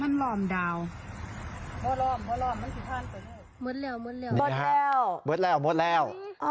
มันหลอมเมฆด้วยนะเห็นป่ะมันหลอมดาว